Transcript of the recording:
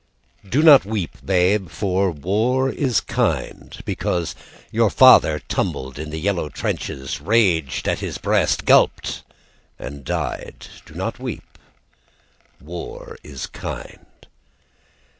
Do not weep, babe, for war is kind. Because your father tumbled in the yellow trenches, Raged at his breast, gulped and died, Do not weep. War is kind.